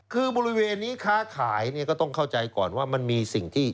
คือบริเวณนี้ค้าขายเนี่ยก็ต้องเข้าใจก่อนว่ามันมีสิ่งที่